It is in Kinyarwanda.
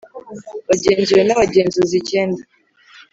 Bagenzuwe N’abagenzuzi icyenda.